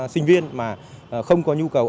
sinh viên mà không có nhu cầu